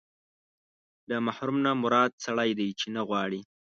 له محروم نه مراد سړی دی چې نه غواړي.